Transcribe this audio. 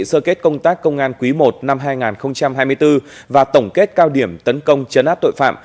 sơ kết công tác công an quý i năm hai nghìn hai mươi bốn và tổng kết cao điểm tấn công chấn áp tội phạm